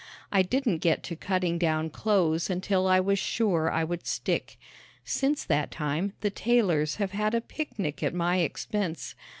I didn't get to cutting down clothes until I was sure I would stick. Since that time the tailors have had a picnic at my expense.